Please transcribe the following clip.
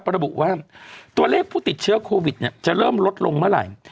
ระบุว่าตัวเลขผู้ติดเชื้อโควิดเนี่ยจะเริ่มลดลงเมื่อไหร่